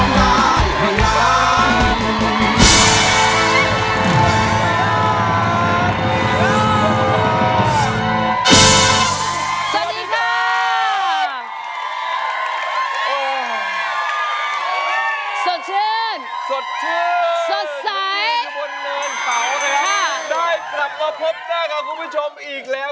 ได้กลับมาพบหน้ากับคุณผู้ชมอีกแล้ว